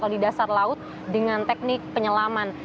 di dasar laut dengan teknik penyelaman